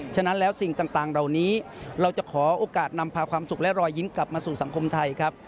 ฉะนั้นแล้วสิ่งต่างเหล่านี้เราจะขอโอกาสนำพาความสุขและรอยยิ้มกลับมาสู่สังคมไทยครับ